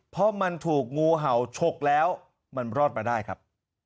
เพราะมันถูกงูเห่าฉกแล้วมันรอดมาได้ครับ